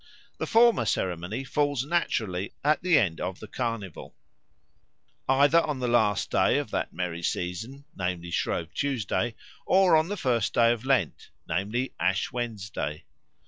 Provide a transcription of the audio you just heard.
The former ceremony falls naturally at the end of the Carnival, either on the last day of that merry season, namely Shrove Tuesday, or on the first day of Lent, namely Ash Wednesday.